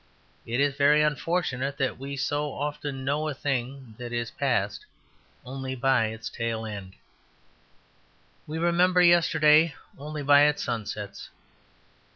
It is very unfortunate that we so often know a thing that is past only by its tail end. We remember yesterday only by its sunsets.